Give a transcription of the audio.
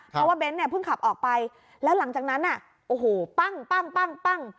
เพราะว่าเบ้นเนี่ยเพิ่งขับออกไปแล้วหลังจากนั้นน่ะโอ้โหปั้งปั้ง